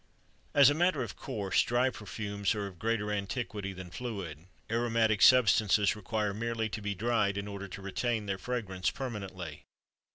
As a matter of course, dry perfumes are of greater antiquity than fluid; aromatic substances require merely to be dried in order to retain their fragrance permanently.